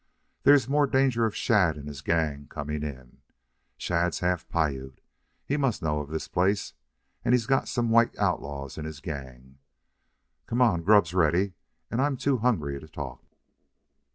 There's more danger of Shadd and his gang coming in. Shadd's half Piute. He must know of this place. And he's got some white outlaws in his gang.... Come on. Grub's ready, and I'm too hungry to talk."